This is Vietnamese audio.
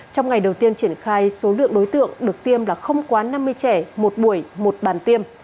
trong ngày đầu tiên triển khai số lượng đối tượng được tiêm là không quá năm mươi trẻ một buổi một bàn tiêm